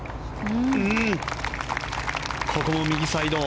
ここも右サイド。